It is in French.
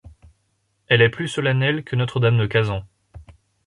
Elle est plus solennelle que Notre-Dame de Kazan.